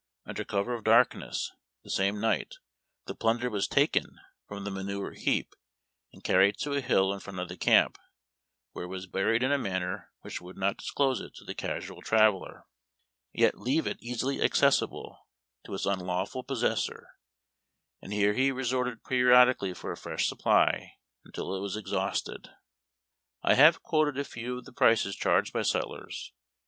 Under cover of dark ness, the same night, the plunder was taken from the manure heap and carried to a hill in front of the camp, where it was buried in a manner which would not disclose it to the casual traveller, and yet leave it easily accessible to its unlawful j)ossessor, and here he resorted periodically for a fresh sup ply, until it was exhausted. I have quoted a few of the prices charged by sutlers.